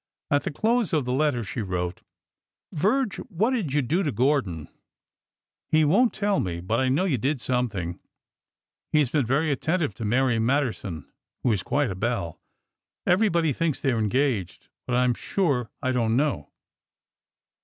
At the close of the letter she wrote: Virge, what did you do to Gordon ? He won't tell me, but I know you did something. He has been very at tentive to Mary Matterson, who is quite a belle. Every body thinks they are engaged, but I 'm sure I don't know."